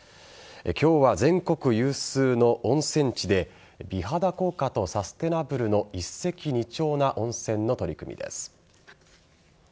今日は全国有数の温泉地で美肌効果とサステナブルの一石二鳥な温泉の取り組みです。